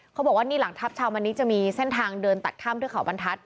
เขาบอกว่านี่หลังทัพชาวมณิจะมีเส้นทางเดินตัดข้ามเทือกเขาบรรทัศน